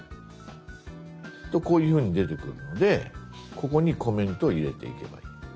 こういうふうに出てくるのでここにコメントを入れていけばいい。